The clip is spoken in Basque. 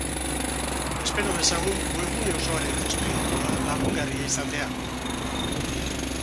Espero dezagun webgune osoaren testuingurua lagungarria izatea.